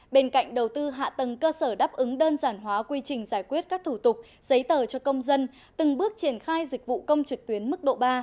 bên cạnh đầu tư hạ tầng cơ sở đáp ứng đơn giản hóa quy trình giải quyết các thủ tục giấy tờ cho công dân từng bước triển khai dịch vụ công trực tuyến mức độ ba